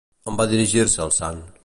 On va dirigir-se el sant?